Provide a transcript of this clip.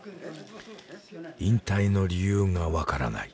引退の理由がわからない。